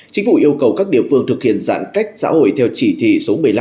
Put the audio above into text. chính phủ yêu cầu các địa phương thực hiện giãn cách xã hội theo chỉ thị số một mươi năm